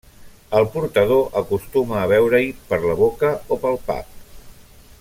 El portador acostuma a veure-hi per la boca o pel pap.